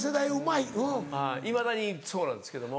いまだにそうなんですけども。